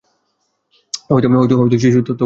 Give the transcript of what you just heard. হয়তো শিশুর তখন পড়ার বয়সই হয়নি।